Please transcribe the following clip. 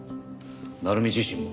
鳴海自身も？